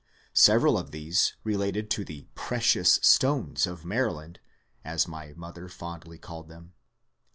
Several of these related to the *^ Precious Stones" of Maryland, as my mother fondly called them.